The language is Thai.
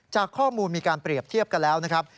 จากข้อมูลมีการเปรียบเทียบกันแล้วนะครับ